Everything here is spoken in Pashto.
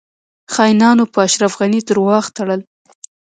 خاینانو په اشرف غنی درواغ تړل